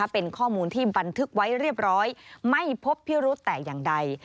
เป็นข้อมูลที่บันทึกไว้เรียบร้อยไม่พบพิรุธแต่อย่างใด